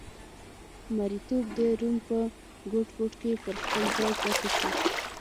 مریتوب د روم په ګوټ ګوټ کې پر خپل ځای پاتې شو